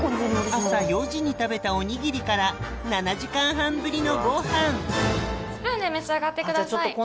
朝４時に食べたおにぎりから７時間半ぶりのごはんスプーンで召し上がってください。